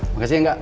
makasih ya gak